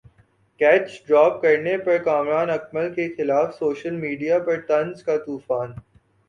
catch drop کرنے پر کامران اکمل کیخلاف سوشل میڈیا پر طنز کا طوفان